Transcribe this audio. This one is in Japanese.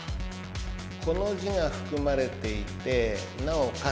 この字が含まれていてなおかつ